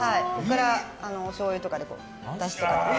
おしょうゆとかで、だしとか。